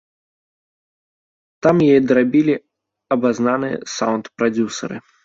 Там яе дарабілі абазнаныя саўнд-прадзюсары.